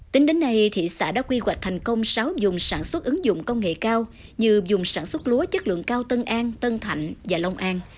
tính đến nay thị xã đã quy hoạch thành công sáu dùng sản xuất ứng dụng công nghệ cao như dùng sản xuất lúa chất lượng cao tân an tân thạnh và long an